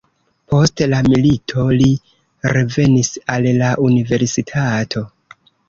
Post la milito li revenis al la universitato.